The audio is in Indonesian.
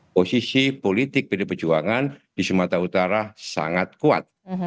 posisi politik pdi perjuangan di sumatera utara sangat kuat